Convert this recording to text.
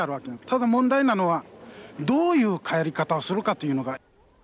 ただ問題なのはどういう返り方をするかというのが。